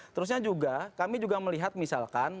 terusnya juga kami juga melihat misalkan